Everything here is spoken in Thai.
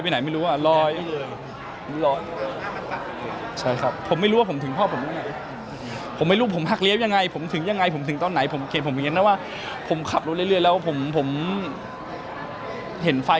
ผมขับรถแล้วผมเลาไปไหนไม่รู้นะเลา